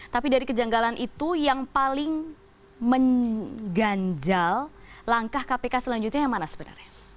tapi dari kejanggalan itu yang paling mengganjal langkah kpk selanjutnya yang mana sebenarnya